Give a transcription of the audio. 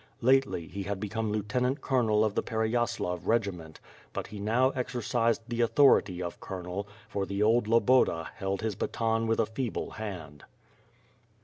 Lately he had become lieutenant colonel of the Pereyaslav regiment, but he now exercised the authority of colonel, for the old Loboda held his baton with a feeble hand.